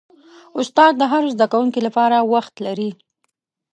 استاد د هر زده کوونکي لپاره وخت لري.